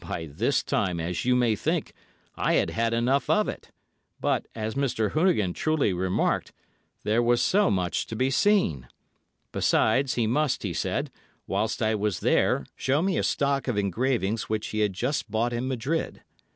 "By this time, as you may think, I had had enough of it, but, as Mr. Hoonigan truly remarked, there was so much to be seen; besides, he must, he said, whilst I was there, show me a stock of engravings which he had just bought in Madrid.